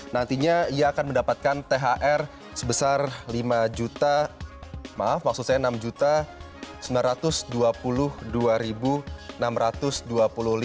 nantinya ia akan mendapatkan thr sebesar rp lima sembilan ratus dua puluh dua enam ratus dua puluh lima